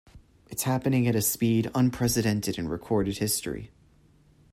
It's happening at a speed unprecedented in recorded history.